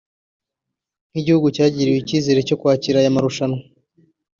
nk’igihugu cyagiriwe icyizere cyo kwakira aya marushanwa